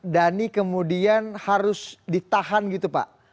dhani kemudian harus ditahan gitu pak